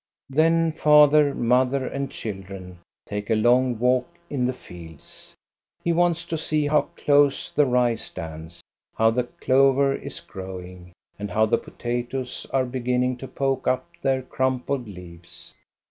Then father, mother, and children take a long walk in the fields. He wanta to see how close the rye stands, how the clover is growing, and how the pota toes are beginning to poke up their crumpled leaves.